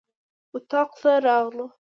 اطاق ته راغلو.